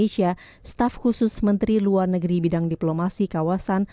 staf khusus menteri luar negeri bidang diplomasi kawasan